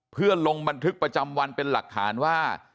เพื่อลงบันทึกประจำวันเป็นหลักฐานว่า